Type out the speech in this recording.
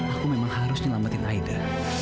aku memang harus nyelamatin aida